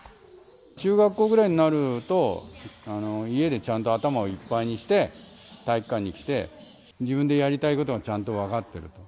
中学校ぐらいになると、家でちゃんと頭をいっぱいにして、体育館に来て、自分でやりたいことはちゃんと分かってると。